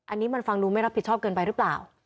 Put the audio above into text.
อันนี้ฟังรู้ไม่รับผิดชอบเกินไปรึเปล่า